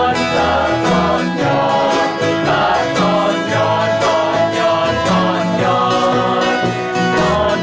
ไม่ขายหน้าเหี้ยก่อน